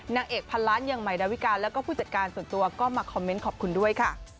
นางเอกพันล้านอย่างใหม่ดาวิกาแล้วก็ผู้จัดการส่วนตัวก็มาคอมเมนต์ขอบคุณด้วยค่ะ